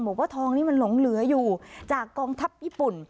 บอกว่าทองนี้มันหลงเหลืออยู่จากกองทัพญี่ปุ่น